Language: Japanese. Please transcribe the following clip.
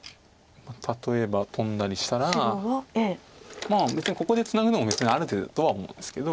例えばトンだりしたらまあ別にここでツナぐのもある手だとは思うんですけど。